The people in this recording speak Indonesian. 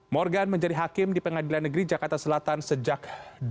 morgan menjadi hakim di pengadilan negeri jakarta selatan sejak dua ribu dua